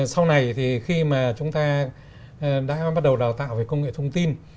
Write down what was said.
sau này thì khi mà chúng ta đã bắt đầu đào tạo về công nghệ thông tin